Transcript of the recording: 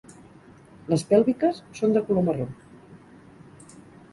Les pèlviques són de color marró.